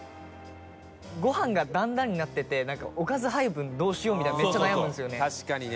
ご飯が段々になってておかず配分どうしようみたいなめっちゃ悩むんですよね。